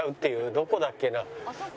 どこだっけな？